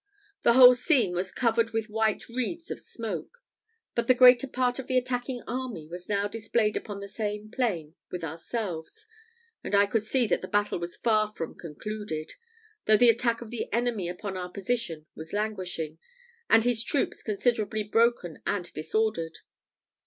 The whole scene was covered with white wreaths of smoke, but the greater part of the attacking army was now displayed upon the same plain with ourselves; and I could see that the battle was far from concluded, though the attack of the enemy upon our position was languishing, and his troops considerably broken and disordered.